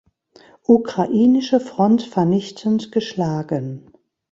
Ukrainischen Front vernichtend geschlagen.